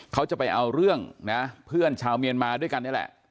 เขาจะไปเอาเรื่องนะเพื่อนชาวเมียนมาด้วยกันนี่แหละ